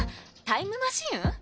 タイムマシン？